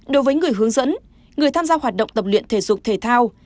đối với người hướng dẫn người tham gia hoạt động tập luyện thể dục thể thao